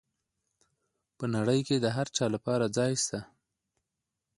په نړۍ کي د هر چا لپاره ځای سته.